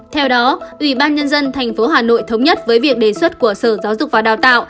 theo đó ủy ban nhân dân tp hà nội thống nhất với việc đề xuất của sở giáo dục và đào tạo